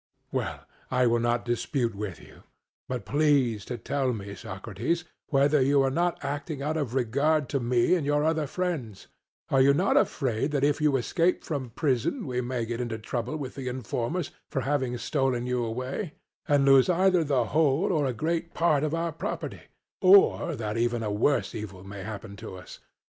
CRITO: Well, I will not dispute with you; but please to tell me, Socrates, whether you are not acting out of regard to me and your other friends: are you not afraid that if you escape from prison we may get into trouble with the informers for having stolen you away, and lose either the whole or a great part of our property; or that even a worse evil may happen to us?